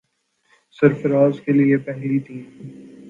سرفراز کے لیے پہلی تین